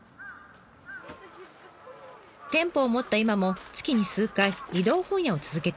店舗を持った今も月に数回移動本屋を続けています。